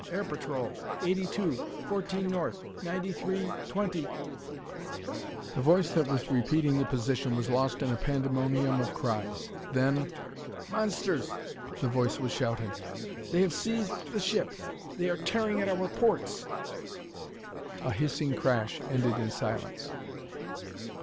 Air Patrol! Eighty two fourteen north, ninety three twenty " The voice that was repeating the position was lost in a pandemonium of cries. Then "Monsters!" the voice was shouting. "They have seized the ship! They are tearing at our ports " A hissing crash ended in silence....